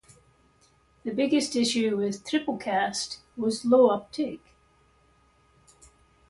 The biggest issue with "Triplecast" was low uptake.